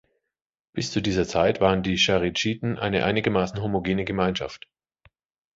Bis zu dieser Zeit waren die Charidschiten eine einigermaßen homogene Gemeinschaft.